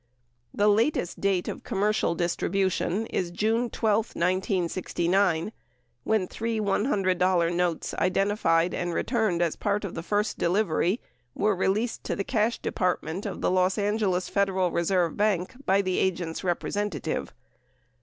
The latest date of commercial distribution is June 12, 1969, when three $100 notes identified and returned as part of the first delivery were released to the Cash Department of the Los Angeles Federal Reserve Bank by the agent's representative.